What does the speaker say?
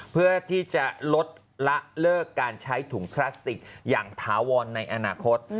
เพื่อที่จะลดละเลิกการใช้ถุงพลาสติกอย่างถาวรในอนาคต